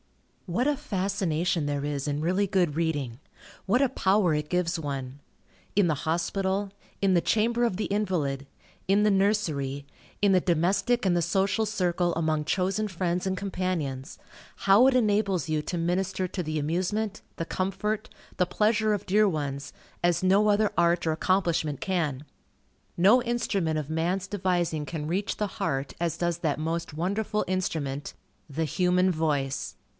What a fascination there is in really good reading! What a power it gives one! In the hospital, in the chamber of the invalid, in the nursery, in the domestic and the social circle, among chosen friends and companions, how it enables you to minister to the amusement, the comfort, the pleasure of dear ones, as no other art or accomplishment can. No instrument of man's devising can reach the heart, as does that most wonderful instrument, the human voice.